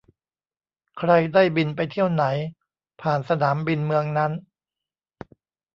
ใครได้บินไปเที่ยวไหน ผ่านสนามบินเมืองนั้น